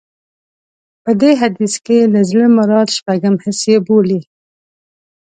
په دې حديث کې له زړه مراد شپږم حس يې بولي.